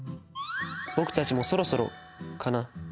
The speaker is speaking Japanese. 「僕たちもそろそろかな。